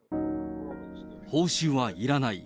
報酬はいらない。